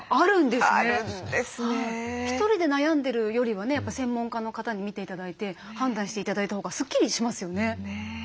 １人で悩んでるよりはねやっぱ専門家の方に診て頂いて判断して頂いたほうがスッキリしますよね。